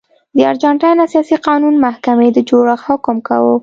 د ارجنټاین اساسي قانون محکمې د جوړښت حکم کاوه.